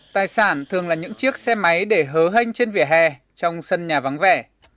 tài sản thường là những chiếc xe máy để hớ hênh trên vỉa hè trong sân nhà vắng vẻ